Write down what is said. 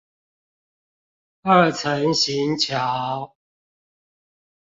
二層行橋